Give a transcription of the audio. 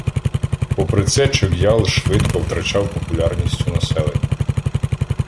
Попри це, чоґ'ял швидко втрачав популярність у населення.